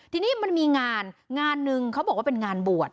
ทีนี้มันมีงานงานหนึ่งเขาบอกว่าเป็นงานบวช